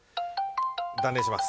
断念します。